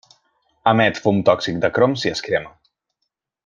Emet fum tòxic de crom si es crema.